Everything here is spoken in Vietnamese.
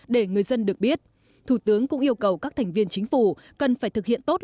để người dân được biết thủ tướng cũng yêu cầu các thành viên chính phủ cần phải thực hiện tốt